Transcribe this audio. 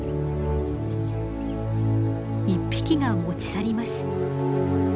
１匹が持ち去ります。